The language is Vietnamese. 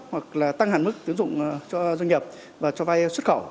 hoặc là tăng hẳn mức tín dụng cho doanh nghiệp và cho vai xuất khẩu